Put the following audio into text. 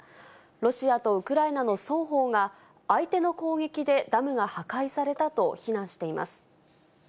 ロシアとウクライナの双方が、相手の攻撃でダムが破壊されたと非難しています。